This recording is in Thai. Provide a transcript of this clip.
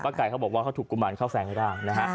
ป้าไก่บอกว่าเขาถูกกุมมารเข้าแสงไม่ได้